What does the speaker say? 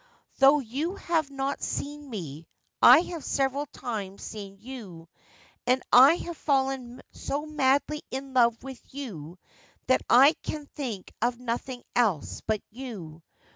' Though you have not seen me, I have several times seen you, and I have fallen so madly in love with you that I can think of nothing else but you.